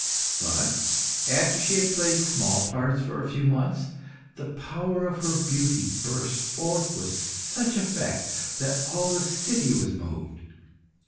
But after she had played small parts for a few months, the power of her beauty burst forth with such effect that all the city was moved.